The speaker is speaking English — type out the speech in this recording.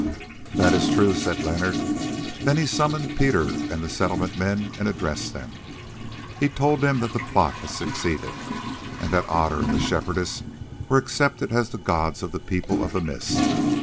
"That is true," said Leonard. Then he summoned Peter and the Settlement men and addressed them. He told them that the plot had succeeded, and that Otter and the Shepherdess were accepted as the gods of the People of the Mist.